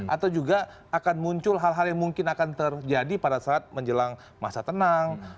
atau juga akan muncul hal hal yang mungkin akan terjadi pada saat menjelang masa tenang